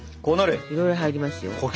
いろいろ入りますよ。